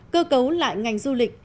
cơ cấu lại ngành du lịch